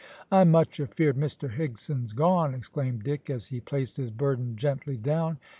"I'm much afeered Mr Higson's gone," exclaimed Dick, as he placed his burden gently down.